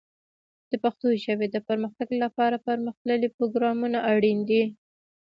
د پښتو ژبې د پرمختګ لپاره پرمختللي پروګرامونه اړین دي.